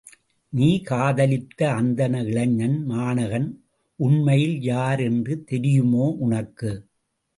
நீ காதலித்த அந்தண இளைஞன் மாணகன், உண்மையில் யார் என்று தெரியுமோ உனக்கு?